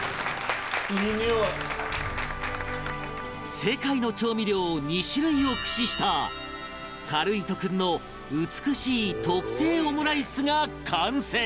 世界の調味料２種類を駆使したかるぃーと君の美しい特製オムライスが完成